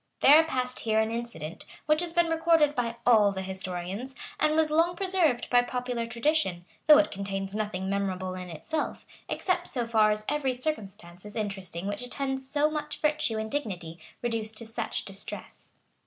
] There passed here an incident, which has been recorded by all the historians, and was long preserved by popular tradition, though it contains nothing memorable in itself, except so far as every circumstance is interesting which attends so much virtue and dignity reduced to such distress.